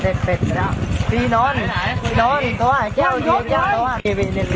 สวัสดีทุกคนวันนี้ก็สุดท้ายสวัสดีทุกคนวันนี้ก็สุดท้าย